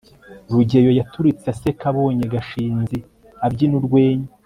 rugeyo yaturitse aseka abonye gashinzi abyina urwenya